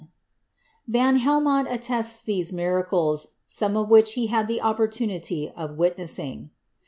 46 CHEMISTRY Van Helmont attests these miracles, some of which he had the opportunity of witnessing.